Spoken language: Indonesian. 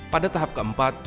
pada tahap keempat